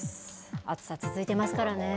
暑さ続いてますからね。